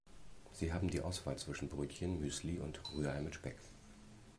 Sie haben die Auswahl zwischen Brötchen, Müsli und Rührei mit Speck.